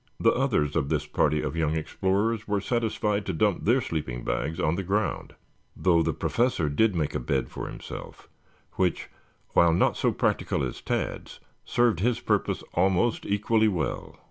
The others of this party of young explorers were satisfied to dump their sleeping bags on the ground, though the Professor did make a bed for himself, which, while not so practical as Tad's, served his purpose almost equally well.